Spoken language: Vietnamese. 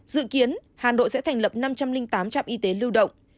dự kiến hà nội sẽ thành lập năm trăm linh tám trạm y tế lưu động